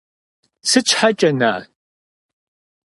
Сыт щхьэкӀэ, на-а?